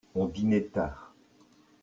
on dînait tard.